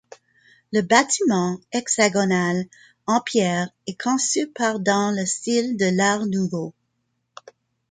Le bâtiment, hexagonal, en pierre est conçu par dans le style de l'Art nouveau.